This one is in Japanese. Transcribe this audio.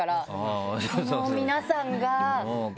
その皆さんが。